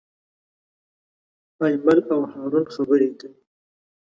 ایمل او هارون خبرې کوي.